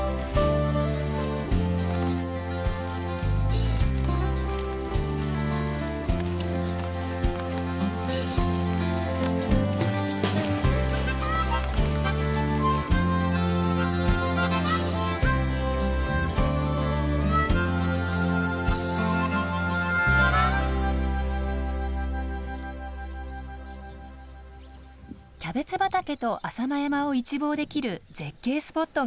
キャベツ畑と浅間山を一望できる絶景スポットがありました。